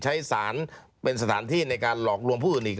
ใช้สารเป็นสถานที่ในการหลอกลวงผู้อื่นอีก